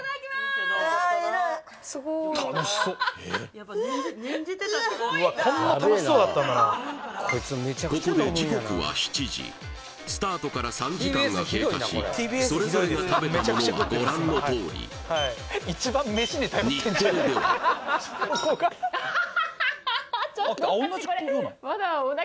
やっぱ念じてたからここで時刻は７時スタートから３時間が経過しそれぞれが食べたものはご覧のとおり日テレではアハハハハハ